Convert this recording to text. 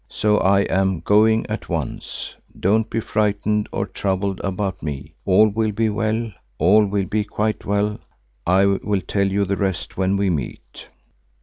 So I am going at once. Don't be frightened or trouble about me. All will be well, all will be quite well. I will tell you the rest when we meet."